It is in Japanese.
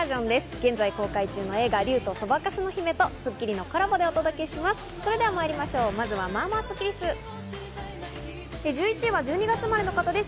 現在、公開中の映画『竜とそばかすの姫』と『スッキリ』のコラボでお届けします。